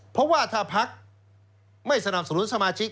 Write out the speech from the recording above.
เพราะว่าถ้าพักไม่สนับสนุนสมาชิก